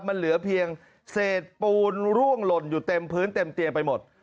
มันเหลือเพียงเศษปูนร่วงหล่นอยู่เต็มพื้นเต็มเตียงไปหมด